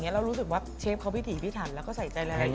เรารู้สึกว่าเชฟเขาพี่ถี่พี่ถันแล้วก็ใส่ใจอะไรอย่างนี้